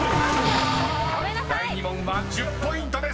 ［第２問は１０ポイントです］